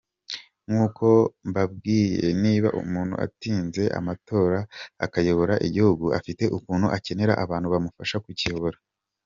Nkuko mbabwiye niba umuntu atsinze amatora akayobora igihugu afite ukuntu akenera abantu bamufasha kukiyobora.